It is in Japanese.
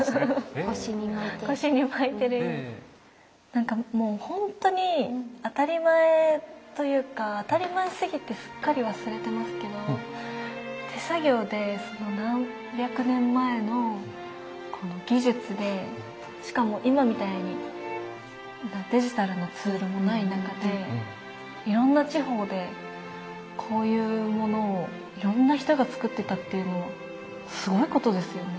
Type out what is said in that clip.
何かもうほんとに当たり前というか当たり前すぎてすっかり忘れてますけど手作業で何百年前の技術でしかも今みたいにデジタルのツールもない中でいろんな地方でこういうものをいろんな人がつくってたっていうのはすごいことですよね。